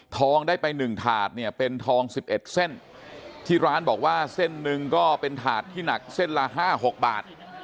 ทองได้ไป๑ถาดเนี่ยเป็นทอง๑๑เส้นที่ร้านบอกว่าเส้นหนึ่งก็เป็นถาดที่หนักเส้นละ๕๖บาท